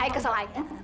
ayah kesel ayah